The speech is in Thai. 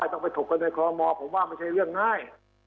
ถ้าเขาไปถกไว้ในคอลโลมอล์ผมว่าไม่ใช่เรื่องง่าย